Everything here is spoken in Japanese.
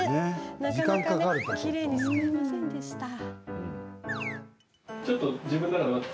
なかなか、きれいにすくえませんでした。